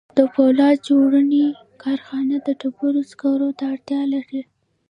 د پولاد جوړونې کارخانه د ډبرو سکارو ته اړتیا لري